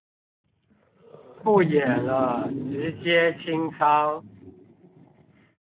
不演了直接清倉